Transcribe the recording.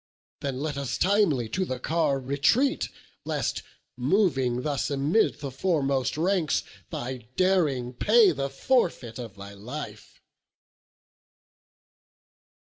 Then let us timely to the car retreat, Lest, moving thus amid the foremost ranks, Thy daring pay the forfeit of thy life."